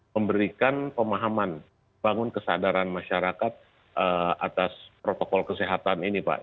memberikan pemahaman bangun kesadaran masyarakat atas protokol kesehatan ini pak